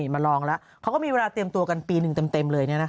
มาลองแล้วเขาก็มีเวลาเตรียมตัวกันปีหนึ่งเต็มเลย